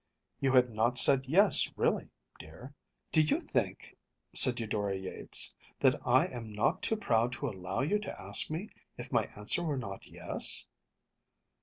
You had not said yes really, dear.‚ÄĚ “Do you think,‚ÄĚ said Eudora Yates, “that I am not too proud to allow you to ask me if my answer were not yes?